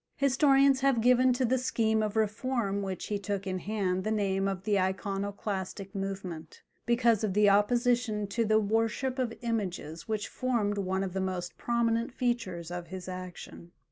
Historians have given to the scheme of reform which he took in hand the name of the Iconoclastic movement, because of the opposition to the worship of images which formed one of the most prominent features of his action.